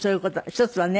１つはね